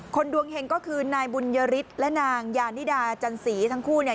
ดวงเห็งก็คือนายบุญยฤทธิ์และนางยานิดาจันสีทั้งคู่เนี่ย